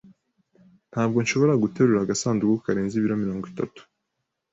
Ntabwo nshobora guterura agasanduku karenze ibiro mirongo itatu.